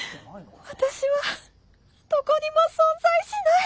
私はどこにも存在しない。